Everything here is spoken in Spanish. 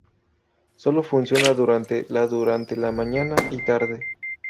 Solo funciona durante la durante la mañana y tarde.